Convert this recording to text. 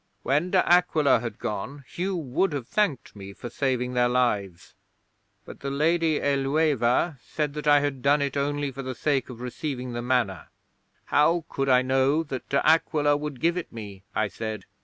'When De Aquila had gone, Hugh would have thanked me for saving their lives; but the Lady Ælueva said that I had done it only for the sake of receiving the Manor. '"How could I know that De Aquila would give it me?" I said.